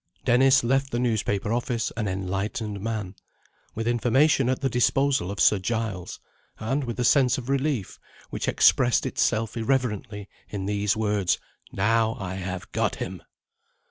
Dennis left the newspaper office an enlightened man with information at the disposal of Sir Giles, and with a sense of relief which expressed itself irreverently in these words: "Now I have got him!"